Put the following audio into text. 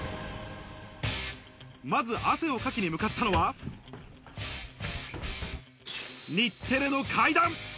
まず汗をかきに向かったのは、日テレの階段。